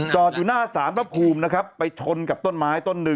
จอดอยู่หน้า๓รับคูมนะครับไปชนกับต้นไม้ต้น๑